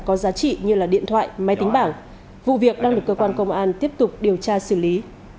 có giá trị như điện thoại máy tính bảng vụ việc đang được cơ quan công an tiếp tục điều tra xử lý